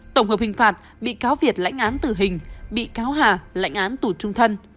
tổng hợp hình phạt bị cáo việt lãnh án tử hình bị cáo hà lãnh án tù trung thân